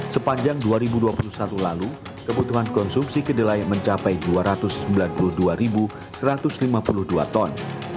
sepanjang dua ribu dua puluh satu lalu kebutuhan konsumsi kedelai mencapai dua ratus sembilan puluh dua satu ratus lima puluh dua ton